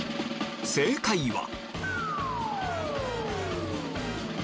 正解は？